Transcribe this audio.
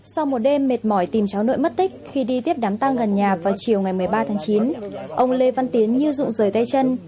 sau một đêm mệt mỏi tìm cháu nội mất tích khi đi tiếp đám tăng gần nhà vào chiều ngày một mươi ba tháng chín ông lê văn tiến như rụng rời tay chân